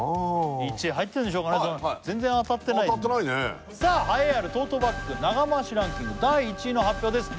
１位入ってるんでしょうかね当たってないねさあ栄えあるトートバッグ長回しランキング第１位の発表です